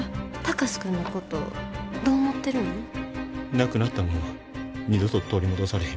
なくなったもんは二度と取り戻されへん。